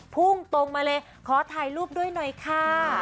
พุ่งตรงมาเลยขอถ่ายรูปด้วยหน่อยค่ะ